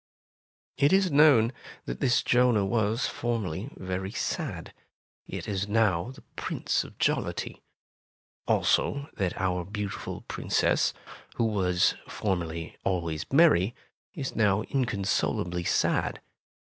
'' It is known that this Jonah was formerly very sad, yet is now the Prince of Jollity. Also that our beautiful Princess, who was formerly always merry, is now inconsolably sad.